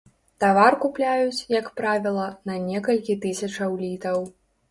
Тавар купляюць, як правіла, на некалькі тысячаў літаў.